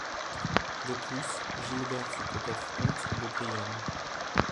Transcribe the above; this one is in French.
De plus, Gilbert fut peut-être comte de Brionne.